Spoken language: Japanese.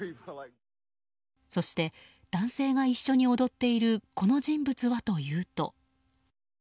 そして男性が一緒に踊っているこの人物はというと。